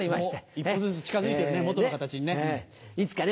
一歩ずつ近づいてるね元の形にね。いつかね